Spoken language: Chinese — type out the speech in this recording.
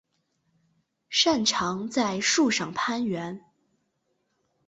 擅长在树上攀援。